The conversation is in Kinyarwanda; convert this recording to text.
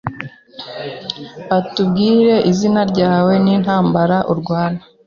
utubwire izina ryawe nintambara urwana